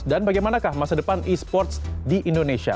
dan bagaimanakah masa depan e sports di indonesia